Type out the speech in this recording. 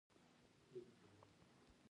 کورس د زده کوونکو ذهانت لوړوي.